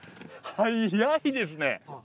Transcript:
早いですね。